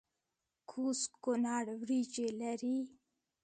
کوز کونړ وریجې لري؟